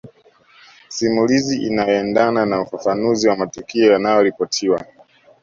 Simulizi inayoendana na ufafanuzi wa matukio yanayoripotiwa